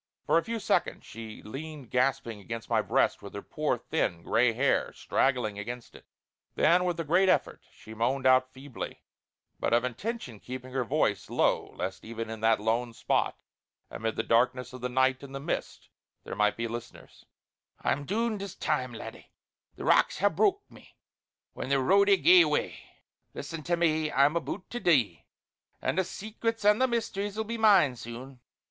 For a few seconds she leaned gasping against my breast with her poor, thin, grey hair straggling across it. Then, with a great effort, she moaned out feebly, but of intention keeping her voice low lest even in that lone spot amid the darkness of the night and the mist there might be listeners: "I'm done this time, laddie; the rocks have broke me when the roadie gav way. Listen tae me, I'm aboot to dee; a' the Secrets and the Mysteries 'll be mine soon.